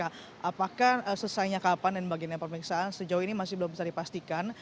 apakah selesainya kapan dan bagiannya pemeriksaan sejauh ini masih belum bisa dipastikan